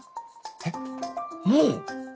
えっもう？